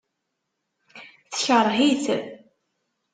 Tekreh-it.